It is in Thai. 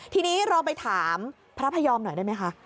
ทีนี้เราไปถามพระพยอมหน่อยได้ไหมคะ